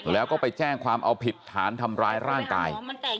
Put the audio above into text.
แล้วก็ไปแจ้งความเอาผิดฐานทำร้ายร่างกาย